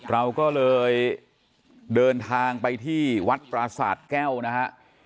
เราก็เลยเดินทางไปที่วัดปราสาทแก้วนะฮะ